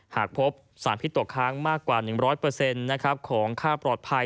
หากพบสารพิษตกค้างมากกว่าหนึ่งร้อยเปอร์เซ็นต์ของค่าปลอดภัย